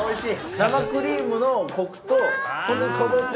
生クリームのコクとかぼちゃ